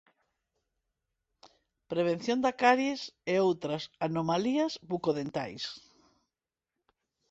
Prevención da caries e outras anomalías bucodentais.